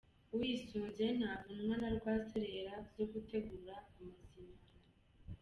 Uyisunze nta vunwa na rwaserera zo gutegura amazimano.